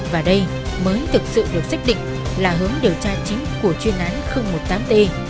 và đây mới thực sự được xác định là hướng điều tra chính của chuyên án một mươi tám t